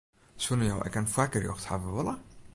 Soenen jo ek in foargerjocht hawwe wolle?